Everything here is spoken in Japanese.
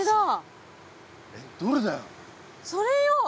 それよ。